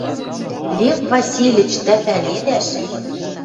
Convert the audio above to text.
— Лев Васильыч, тӓ пӓледӓш...